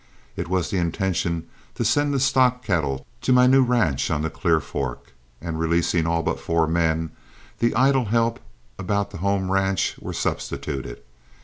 It was the intention to send the stock cattle to my new ranch on the Clear Fork, and releasing all but four men, the idle help about the home ranch were substituted.